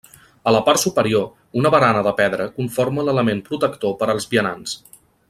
A la part superior, una barana de pedra conforma l'element protector per als vianants.